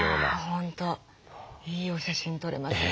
本当いいお写真撮れますよ